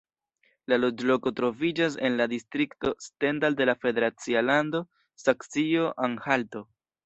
La loĝloko troviĝas en la distrikto Stendal de la federacia lando Saksio-Anhalto.